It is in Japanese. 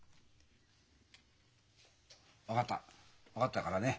分かった分かったからね。